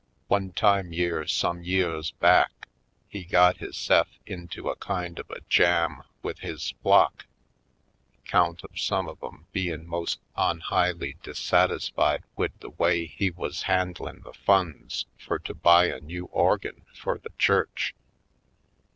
One time yere some yeahs back he got his se'f into a kind of a jam wid his flock 'count of some of 'em bein' mos' onhighly dissatis fied wid the way he wuz handlin' the funds Oiled Skids 189 fur to buy a new organ fur the church.